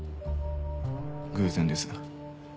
偶然です。